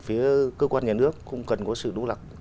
phía cơ quan nhà nước cũng cần có sự đố lặng